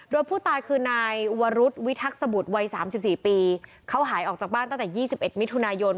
โดยผู้ตายคือนายวรุษวิทักษบุตรวัย๓๔ปีเขาหายออกจากบ้านตั้งแต่๒๑มิถุนายน